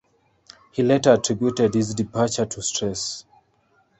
He later attributed his departure to stress.